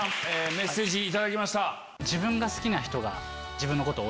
メッセージ頂きました。